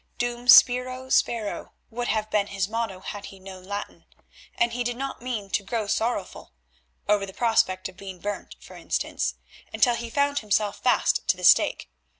Dum spiro, spero would have been his motto had he known Latin, and he did not mean to grow sorrowful—over the prospect of being burnt, for instance—until he found himself fast to the stake.